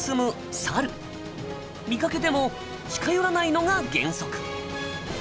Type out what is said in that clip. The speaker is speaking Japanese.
見かけても近寄らないのが原則。